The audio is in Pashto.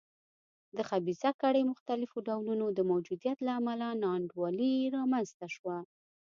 د خبیثه کړۍ مختلفو ډولونو د موجودیت له امله نا انډولي رامنځته شوه.